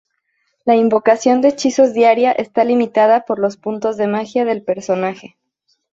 La invocación de hechizos diaria está limitada por los "puntos de magia" del personaje.